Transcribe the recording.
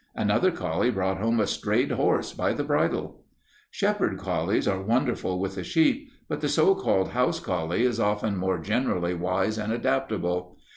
Another collie brought home a strayed horse by the bridle. "Shepherd collies are wonderful with the sheep, but the so called house collie is often more generally wise and adaptable.